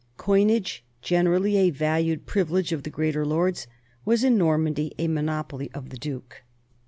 Coinage, generally a valued privilege of the greater lords, was in Normandy a monopoly of the duke.